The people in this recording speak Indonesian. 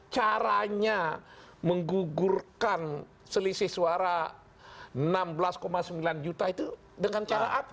caranya menggugurkan selisih suara enam belas sembilan juta itu dengan cara apa